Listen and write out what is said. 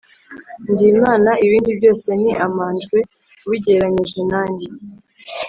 ndi imana, ibindi byose ni amanjwe ubigereranyije nanjye.